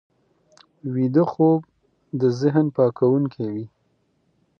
ویده خوب د ذهن پاکوونکی وي